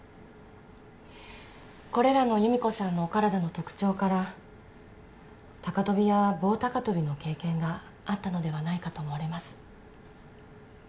これらの由美子さんのお体の特徴から高跳びや棒高跳びの経験があったのではないかと思われます。